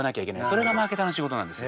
それがマーケターの仕事なんです。